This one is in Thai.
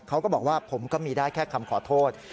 เขาก็บอกว่าผมก็มีได้แค่คำขอโทษ